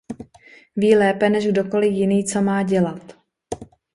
Ví lépe než kdokoli jiný, co má dělat.